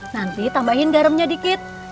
nanti tambahin garamnya dikit